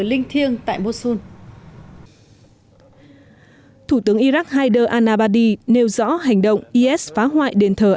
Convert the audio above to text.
linh thiêng tại mosul thủ tướng iraq haider al abadi nêu rõ hành động is phá hoại đền thờ